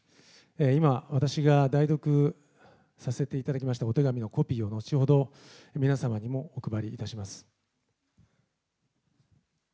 今、私が代読させていただきましたお手紙のコピーを、後ほど皆様にもお配りいたします。